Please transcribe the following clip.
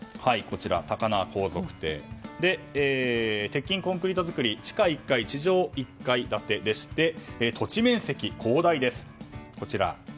鉄筋コンクリート作り地下１階、地上１階建てでして土地面積、広大です。